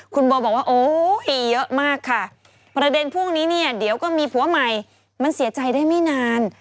คุณโบบอกว่าโอ้ยเยอะมากค่ะประเด็นพวกนี้เนี่ยเดี๋ยวก็มีผัวใหม่มันเสียใจได้ไม่นาน